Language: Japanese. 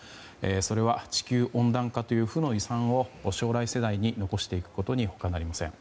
それは地球温暖化という負の遺産を将来世代に残していくことに他なりません。